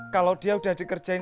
kalau dia udah dikerjain